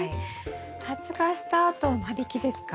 発芽したあと間引きですか？